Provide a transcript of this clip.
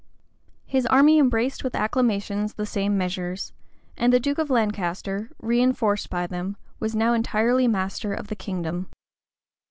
His army embraced with acclamations the same measures; and the duke of Lancaster, reenforced by them, was now entirely master of the kingdom.